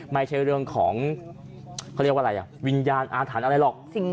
ไม่ใช่เรื่องของเขาเรียกว่าอะไรอ่ะวิญญาณอาถรรพ์อะไรหรอก